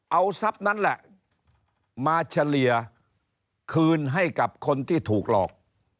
เอาทรัพย์นั้นแหละมาเฉลี่ยคืนให้กับคนที่ถูกหลอก